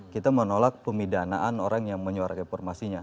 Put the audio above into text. kita menolak pemidanaan orang yang menyuarakan informasinya